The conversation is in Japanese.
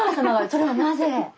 それはなぜ？